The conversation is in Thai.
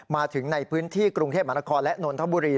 มาถึงในพื้นที่กรุงเทพมหานครและนนทบุรี